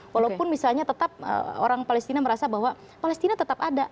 walaupun misalnya tetap orang palestina merasa bahwa palestina tetap ada